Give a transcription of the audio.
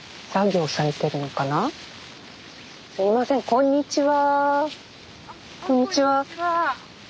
こんにちは。